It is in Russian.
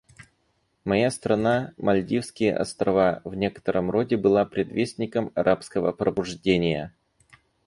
Моя страна, Мальдивские Острова, в некотором роде была предвестником «арабского пробуждения».